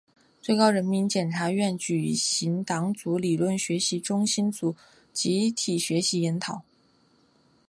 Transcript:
最高人民检察院举行党组理论学习中心组集体学习研讨